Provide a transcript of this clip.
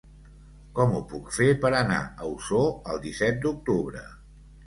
Com ho puc fer per anar a Osor el disset d'octubre?